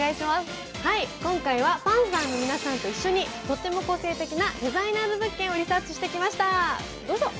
今回はパンサーの皆さんと一緒にとっても個性的なデザイナーズ物件をリサーチしてきました。